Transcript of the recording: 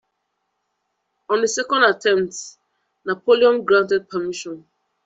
On the second attempt, Napoleon granted permission.